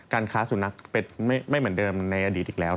ค้าสุนัขไม่เหมือนเดิมในอดีตอีกแล้ว